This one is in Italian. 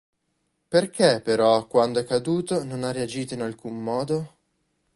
Perché però quando è caduto non ha reagito in alcun modo?